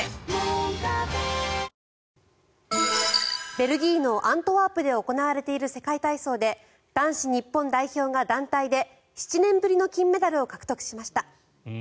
ベルギーのアントワープで行われている世界体操で男子日本代表が団体で７年ぶりの金メダルを獲得しました。